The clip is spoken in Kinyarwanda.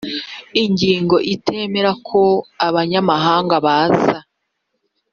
ingingo itemera ko abanyamahanga baza